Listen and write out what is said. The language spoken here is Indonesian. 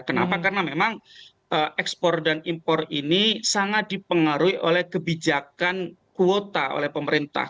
kenapa karena memang ekspor dan impor ini sangat dipengaruhi oleh kebijakan kuota oleh pemerintah